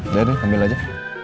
udah deh ambil aja